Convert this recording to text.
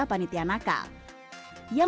berkondo ini verschill antar pikir ke daerah luas